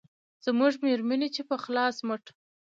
زموږ مېرمنې چې په خلاص مټ